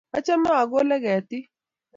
Achame akole ketiik